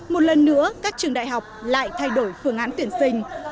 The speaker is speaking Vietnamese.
một lần nữa các trường đại học lại thay đổi phương án tuyển sinh